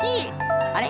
あれ？